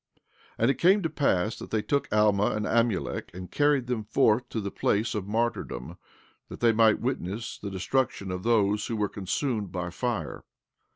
14:9 And it came to pass that they took Alma and Amulek, and carried them forth to the place of martyrdom, that they might witness the destruction of those who were consumed by fire.